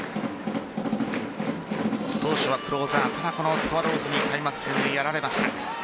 当初はクローザーただ、スワローズに開幕戦でやられました。